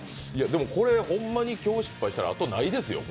これホンマに今日失敗したらあとがないですよ。